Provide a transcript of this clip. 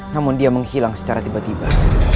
namun dia menghilang secara tiba tiba